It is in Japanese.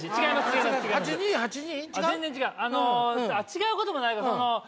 違うこともないか。